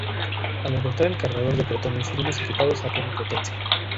Al encontrar el cargador de protones iremos equipados a plena potencia.